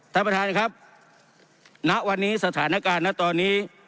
ท่านประธานครับณวันนี้สถานการณ์นะตอนนี้